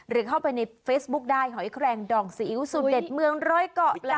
หรือเข้าไปในเฟซบุ๊คได้หอยแครงดองซีอิ๊วสูตรเด็ดเมืองร้อยเกาะจ้